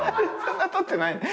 そんな取ってない。